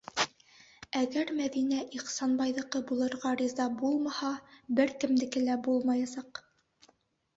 Әгәр Мәҙинә Ихсанбайҙыҡы булырға риза булмаһа, бер кемдеке лә булмаясаҡ.